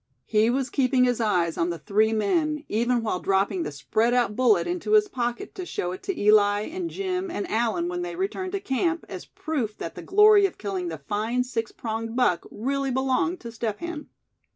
He was keeping his eyes on the three men, even while dropping the spread out bullet into his pocket to show it to Eli and Jim and Allan when they returned to camp, as proof that the glory of killing the fine six pronged buck really belonged to Step Hen.